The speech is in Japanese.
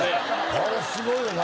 あれすごいよな